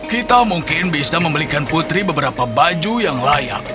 kita mungkin bisa membelikan putri beberapa baju yang layak